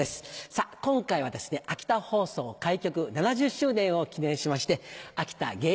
さぁ今回はですね秋田放送開局７０周年を記念しまして。